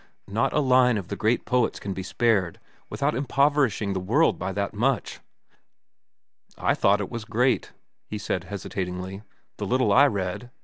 Not a line of the great poets can be spared without impoverishing the world by that much." "I thought it was great," he said hesitatingly, "the little I read.